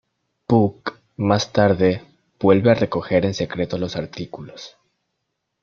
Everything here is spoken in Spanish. Puck más tarde vuelve a recoger en secreto los artículos.